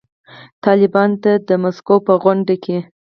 طالبانو ته د مسکو په غونډه کې